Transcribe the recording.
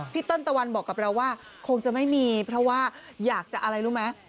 เติ้ลตะวันบอกกับเราว่าคงจะไม่มีเพราะว่าอยากจะอะไรรู้ไหม